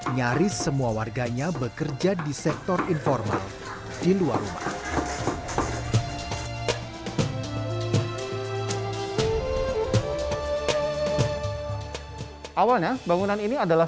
nyaris semua warganya bekerja di sektor informal di luar rumah